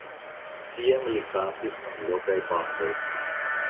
Tiam li kantis en lokaj bandoj.